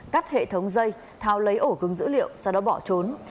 cắt hệ thống dây tháo lấy ổ cứng dữ liệu sau đó bỏ trốn